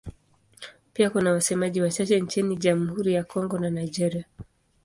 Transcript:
Pia kuna wasemaji wachache nchini Jamhuri ya Kongo na Nigeria.